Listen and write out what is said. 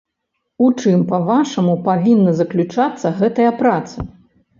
У чым, па-вашаму, павінна заключацца гэтая праца?